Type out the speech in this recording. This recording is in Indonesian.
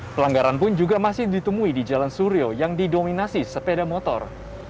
pelanggaran pun juga masih ditemui di jalan suryo yang didominasi sepeda motor